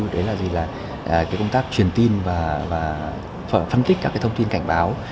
đấy là công tác truyền tin và phân tích các thông tin cảnh báo